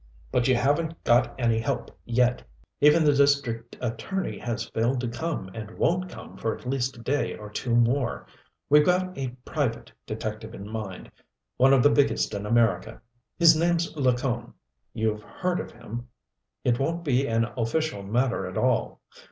But you haven't got any help yet even the district attorney has failed to come and won't come for at least a day or two more. We've got a private detective in mind one of the biggest in America. His name's Lacone you've heard of him. It won't be an official matter at all.